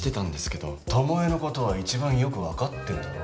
巴の事は一番よくわかってるんだろ？